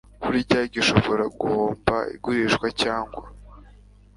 burya gishobora guhomba igurisha cyangwa